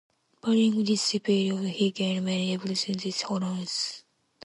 During this period, he gained many representative honours.